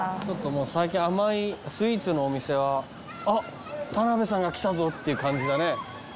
ちょっともう最近甘いスイーツのお店は「あっ田辺さんが来たぞ」っていう感じだね。